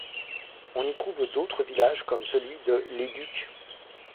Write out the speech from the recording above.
On y trouve d’autres villages comme celui de Les Ducs.